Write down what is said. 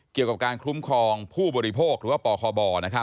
เกี่ยวกับการคุ้มครองผู้บริโภคหรือว่าปคบ